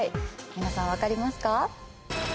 皆さん分かりますか？